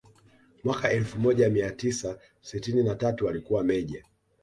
Mwaka elfu moja mia tisa sitini na tatu alikuwa meja